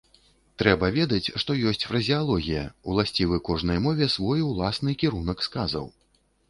Трэба ведаць, што ёсць фразеалогія, уласцівы кожнай мове свой уласны кірунак сказаў.